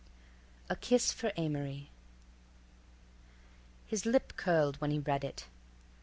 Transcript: A KISS FOR AMORY His lip curled when he read it.